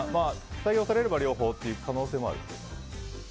採用されれば両方という可能性も。